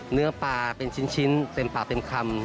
เนื้อปลาเป็นชิ้นเต็มปากเต็มคำ